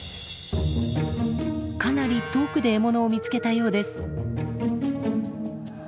かなり遠くで獲物を見つけたようです。